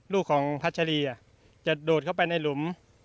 ลูกของพัชรีจะโดดเข้าไปในหลุม